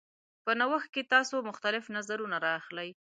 په نوښت کې تاسو مختلف نظرونه راخلئ.